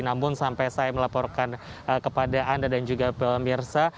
namun sampai saya melaporkan kepada anda dan juga pemirsa